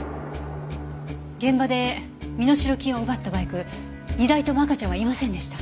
現場で身代金を奪ったバイク２台とも赤ちゃんはいませんでした。